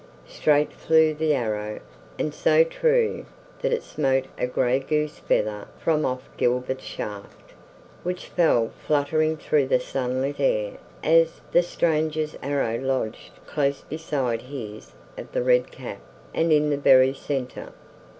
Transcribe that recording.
Straight flew the arrow, and so true that it smote a gray goose feather from off Gilbert's shaft, which fell fluttering through the sunlit air as the stranger's arrow lodged close beside his of the Red Cap, and in the very center.